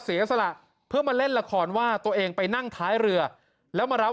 เสียสละเพื่อมาเล่นละครว่าตัวเองไปนั่งท้ายเรือแล้วมารับ